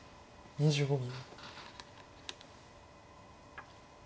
２５秒。